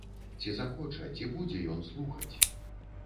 Ці захоча, ці будзе ён слухаць?